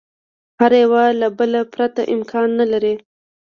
هر یوه له بله پرته امکان نه لري.